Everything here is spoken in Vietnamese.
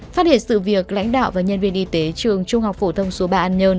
phát hiện sự việc lãnh đạo và nhân viên y tế trường trung học phổ thông số ba an nhơn